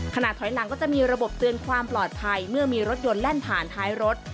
ขณะถอยหลังก็จะมีระบบเตือนความปลอดภัยเมื่อมีรถยนต์แล่นผ่านท้ายรถ